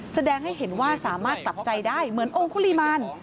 แสดงให้เห็นว่าสามารถกลับใจได้เหมือนองค์คุริมาร